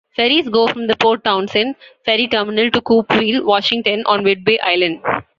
Ferries go from the Port Townsend ferry terminal to Coupeville, Washington, on Whidbey Island.